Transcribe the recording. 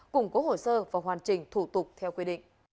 cùng có hồ sơ và hoàn chỉnh thủ tục theo quy định